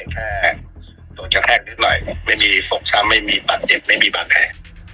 แค่โด๊ะจะแทกนิดหน่อยไม่มีฟุกชัมไม่มีปัดเจ็บไม่มีปั่นแห่